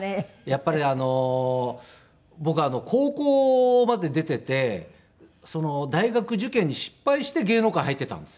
やっぱり僕高校まで出ていて大学受験に失敗して芸能界に入っていったんですね。